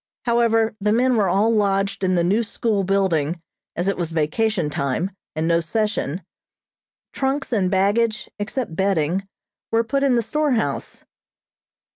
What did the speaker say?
However, the men were all lodged in the new school building, as it was vacation time, and no session; trunks and baggage, except bedding, were put in the store house.